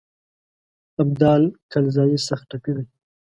ابدال کلزايي سخت ټپي دی.